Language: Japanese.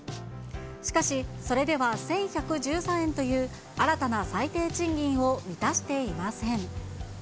しかし、それでは１１１３円という新たな最低賃金を満たしていません。